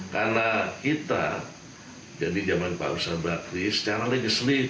karena kita jadi zaman pak ustadz bakri secara legislatif